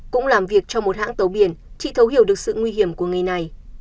cũng làm việc trong một hãng tàu biển chị thấu hiểu được sự nguy hiểm của ngày này